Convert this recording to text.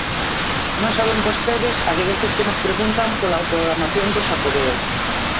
¡Non saben vostedes a de veces que nos preguntan pola programación do Xacobeo!